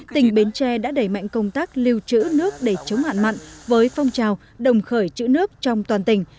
tỉnh bến tre đã đẩy mạnh công tác lưu trữ nước để chống hạn mặn với phong trào đồng khởi chữ nước trong toàn tỉnh